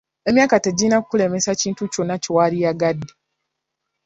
Emyaka tegirina kukulemesa kintu kyonna kye wandyagadde.